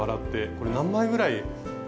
これ何枚ぐらい作って。